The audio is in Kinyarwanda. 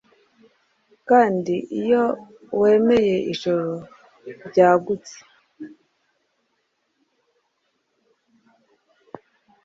Kandi iyo wemeye ijoro ryagutse,